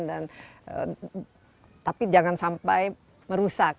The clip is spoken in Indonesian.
dan tapi jangan sampai merusak